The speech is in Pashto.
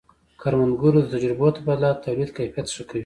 د کروندګرو د تجربو تبادله د تولید کیفیت ښه کوي.